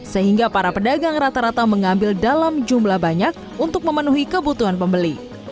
sehingga para pedagang rata rata mengambil dalam jumlah banyak untuk memenuhi kebutuhan pembeli